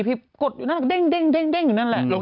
พี่กดอยู่นั่นแล้วด้งอยู่นั่นแหละ